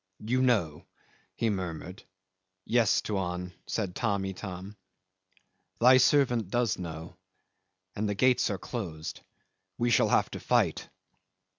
"You know," he murmured. "Yes, Tuan," said Tamb' Itam. "Thy servant does know, and the gates are closed. We shall have to fight."